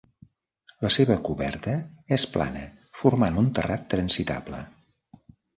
La seva coberta és plana formant un terrat transitable.